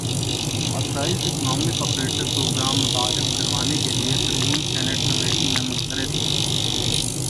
authorised economic operator programme متعارف کروانے کیلئے ترمیم سینیٹ کمیٹی میں مسترد